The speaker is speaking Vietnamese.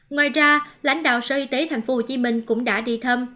ngoài ra lãnh đạo sở y tế tp hcm cũng đã đi thăm